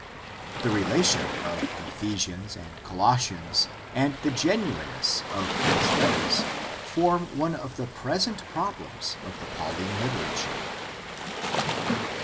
The relation of Ephesians and Colos sians and the genuineness of these letters form one of the present problems of the Pauline literature.